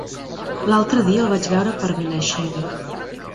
L'altre dia el vaig veure per Benaixeve.